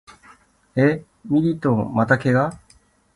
え、ミリトンまた怪我？